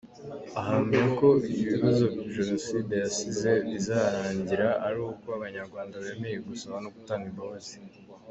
Ahamya ko ibibazo Jenoside yasize bizarangira ari uko Abanyarwanda bemeye gusaba no gutanga imbabazi.